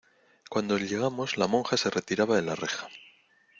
cuando llegamos la monja se retiraba de la reja: